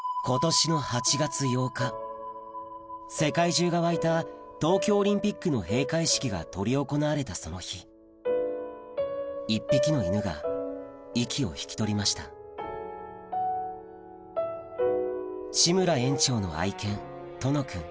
世界中が沸いた東京オリンピックの閉会式が執り行われたその日１匹の犬が息を引き取りました１０歳でした